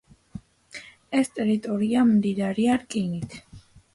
ეს ტერიტორია მდიდარია რკინით.